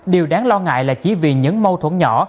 điều đáng lo ngại là chỉ vì những mâu thuẫn nhỏ